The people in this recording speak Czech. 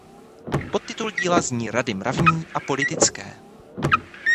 Podtitul díla zní Rady mravní a politické.